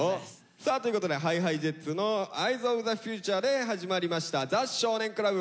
さあということでＨｉＨｉＪｅｔｓの「Ｅｙｅｓｏｆｔｈｅｆｕｔｕｒｅ」で始まりました「ザ少年倶楽部」。